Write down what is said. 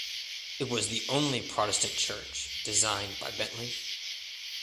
It was the only Protestant church designed by Bentley.